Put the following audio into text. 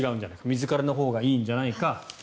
水からのほうがいいんじゃないか。